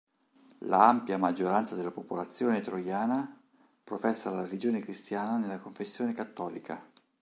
La ampia maggioranza della popolazione troiana professa la religione cristiana nella confessione cattolica.